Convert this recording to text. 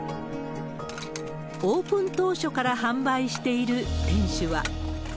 オープン当初から販売している店主は。